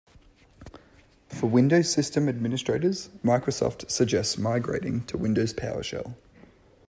For Windows system administrators, Microsoft suggests migrating to Windows PowerShell.